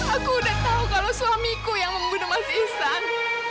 aku sudah tahu kalau suamiku yang membunuh mas ihsan